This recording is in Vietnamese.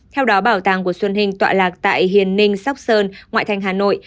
theo đó bảo tàng của xuân hình tọa lạc tại hiền ninh sóc sơn ngoại thành hà nội